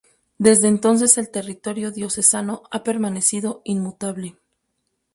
Desde entonces el territorio diocesano ha permanecido inmutable.